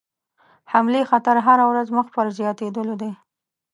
حملې خطر هره ورځ مخ پر زیاتېدلو دی.